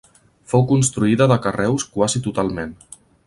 Fou construïda de carreus quasi totalment.